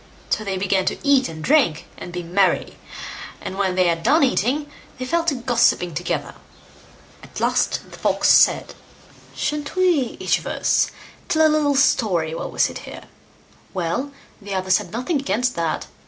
So they began to eat and drink, and be merry; and when they had done eating, they fell to gossipping together. At last the Fox said: "Shan't we, each of us, tell a little story while we sit here?" Well! the others had nothing against that.